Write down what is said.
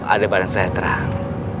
aldebaran saya terang